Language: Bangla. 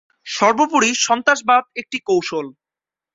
সর্বোপরি সন্ত্রাসবাদ একটি কৌশল।